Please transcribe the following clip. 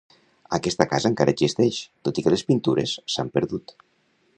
Aquesta casa encara existeix, tot i que les pintures s'han perdut.